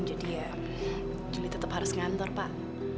jadi ya juli tetep harus ngantor pak